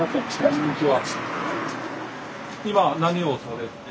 こんにちは。